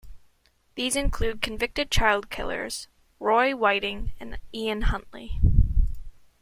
These include convicted child killers Roy Whiting and Ian Huntley.